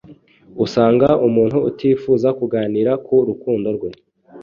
usanga umuntu atifuza kuganira ku rukundo rwe